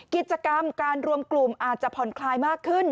กิจกรรมการรวมกลุ่มอาจจะผ่อนคลายมากขึ้น